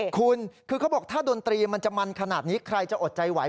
คุณคือเขาบอกถ้าดนตรีมันจะมันขนาดนี้ใครจะอดใจไหว